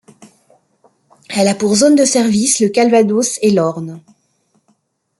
Elle a pour zone de service le Calvados et l'Orne.